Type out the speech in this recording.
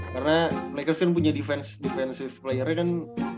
karena lakers kan punya defensive player nya kan